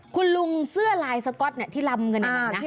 คุณลุงเสื้ระลายสก๊อตที่ลำกันอย่างไร